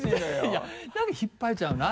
いや何か引っ張られちゃうな。